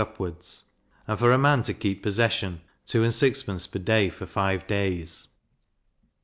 upwards; and for a man to keep possession, 2s. 6d. per day for five days.